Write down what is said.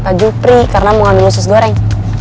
pak jupri karena mau ngambil sus goreng